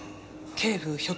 警部！